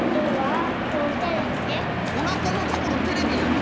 おなかのところテレビなの？